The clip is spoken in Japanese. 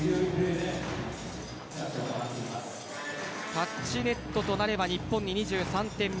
タッチネットとなれば日本に２３点目。